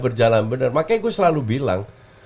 berjalan benar makanya gue selalu bilang